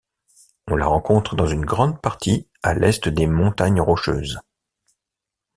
On la rencontre dans une grande partie à l'Est des montagnes Rocheuses.